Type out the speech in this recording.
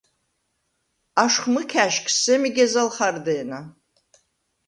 აშხვ მჷქა̈შგს სემი გეზალ ხარდე̄ნა.